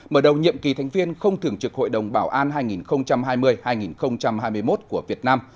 mở đầu nhiệm kỳ thành viên không thường trực hội đồng bảo an hai nghìn hai mươi hai nghìn hai mươi một của việt nam